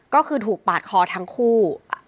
ก็คือถูกปาดคอทั้งคู่